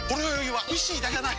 はい！